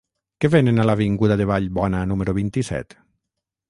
Què venen a l'avinguda de Vallbona número vint-i-set?